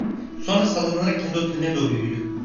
Sonra sallanarak kendi oteline doğru yürüdü.